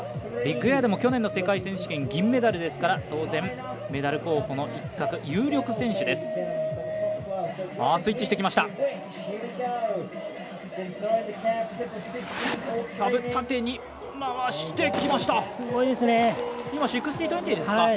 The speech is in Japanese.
ビッグエアでも去年の世界選手権、銀メダルですから当然、メダル候補の一角有力選手です。